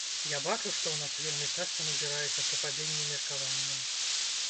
Я бачу, што ў нас вельмі часта назіраецца супадзенне меркаванняў.